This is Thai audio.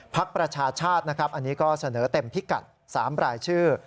พรรคประชาชาติเสนอเต็มพิกัด๓ปลายชื่อ